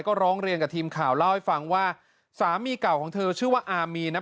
ก็ร้องเรียนกับทีมข่าวเล่าให้ฟังว่าสามีเก่าของเธอชื่อว่าอามีนนะ